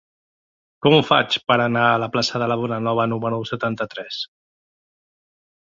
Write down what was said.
Com ho faig per anar a la plaça de la Bonanova número setanta-tres?